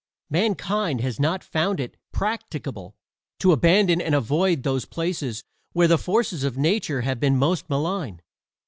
Mankind has not found it practicable to abandon and avoid those places where the forces of nature have been most malign.